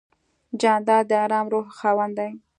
جانداد د آرام روح خاوند دی.